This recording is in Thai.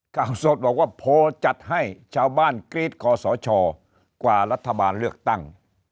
ข่าวสดบอกว่าโพลจัดให้ชาวบ้านกรี๊ดคอสชกว่ารัฐบาลเลือกตั้ง